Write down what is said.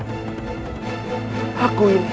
abdi setiamu kanyang ratu